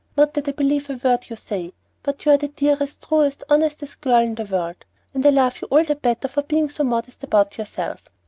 "Not that I believe a word you say; but you are the dearest, truest, honestest girl in the world, and I love you all the better for being so modest about yourself.